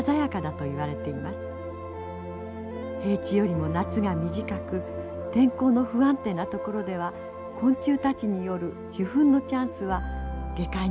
平地よりも夏が短く天候の不安定な所では昆虫たちによる受粉のチャンスは下界に比べてぐっと少なくなります。